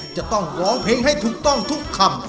จะต้องร้องเพลงให้ถูกต้องทุกคำ